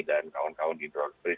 dan kawan kawan di dronespring